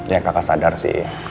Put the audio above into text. ya kakak sadar sih